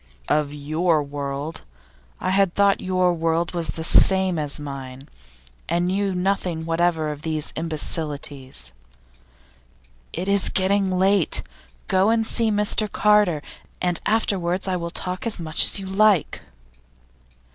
'Of your world? I had thought your world was the same as mine, and knew nothing whatever of these imbecilities.' 'It is getting late. Go and see Mr Carter, and afterwards I will talk as much as you like.